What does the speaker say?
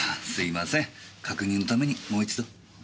すいません確認のためにもう一度。